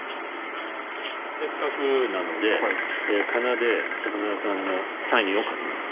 せっかくなのでかなで高田さんのサインを書きます。